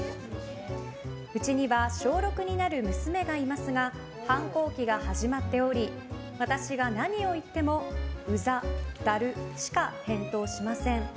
うちには小６になる娘がいますが反抗期が始まっており私が何を言っても「ウザ」、「ダル」しか返答しません。